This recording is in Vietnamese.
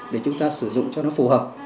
để chúng ta sử dụng cho nó phù hợp